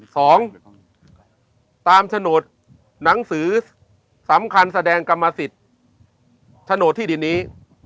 สองตามโฉนดหนังสือสำคัญแสดงกรรมสิทธิ์โฉนดที่ดินนี้